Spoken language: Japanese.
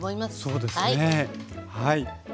そうですねはい。